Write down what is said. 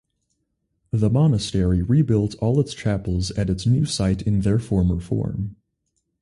The monastery rebuilt all its chapels at its new site in their former form.